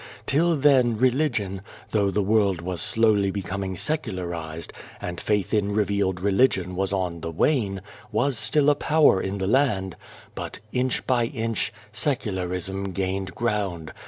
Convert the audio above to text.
Till then, Religion though the world was slowly becoming secularised, and faith in Revealed Religion was on the wane was still a power in the land. But, inch by inch, Secularism gained ground.